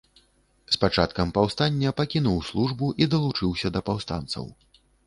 З пачаткам паўстання пакінуў службу і далучыўся да паўстанцаў.